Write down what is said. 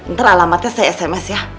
ntar alamatnya saya sms ya